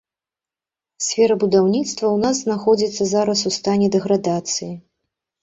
Сфера будаўніцтва ў нас знаходзіцца зараз у стане дэградацыі.